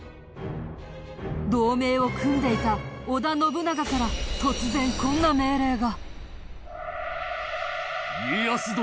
同盟を組んでいた織田信長から突然こんな命令が。